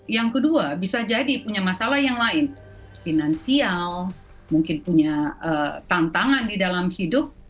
yang kedua bisa jadi punya masalah yang lain finansial mungkin punya tantangan di dalam hidup